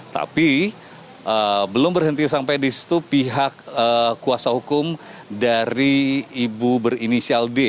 tapi belum berhenti sampai di situ pihak kuasa hukum dari ibu berinisial d